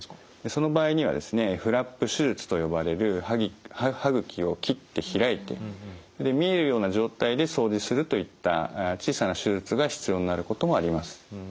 その場合にはですねフラップ手術と呼ばれる歯ぐきを切って開いて見えるような状態で掃除するといった小さな手術が必要になることもあります。